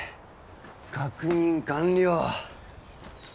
確認完了